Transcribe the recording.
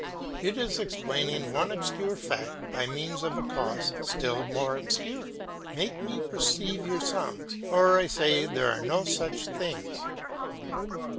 It is explaining one obscure fact by means of a cause still more obscure. Make me perceive your sounds; or I say there are no such things."